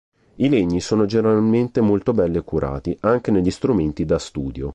I legni sono generalmente molto belli e curati, anche negli strumenti "da studio".